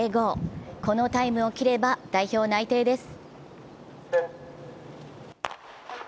このタイムを切れば代表内定です。